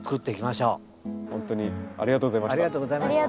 ほんとにありがとうございました。